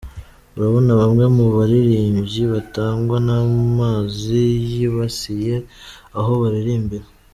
Urabona bamwe mu baririmvyi batwagwa n'amazi yibasiye aho baririmbira.